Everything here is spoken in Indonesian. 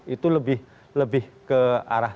itu lebih ke arah